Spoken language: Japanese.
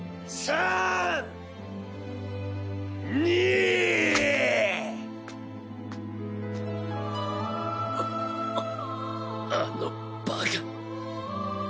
あのバカ。